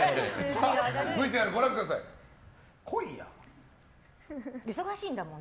ＶＴＲご覧ください。